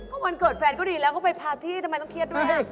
ก็วันเกิดแฟนก็ดีแล้วก็ไปพาที่ทำไมต้องเครียดด้วย